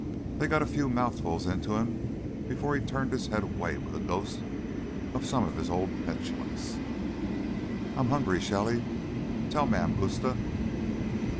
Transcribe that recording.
They got a few mouthfuls into him before he turned his head away with a ghost of some of his old petulance. "I'm hungry, Shelly. Tell Mam Gusta...."